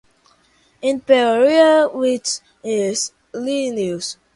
In Peoria, which is in Illinois.